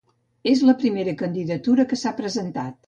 És la primera candidatura que s'ha presentat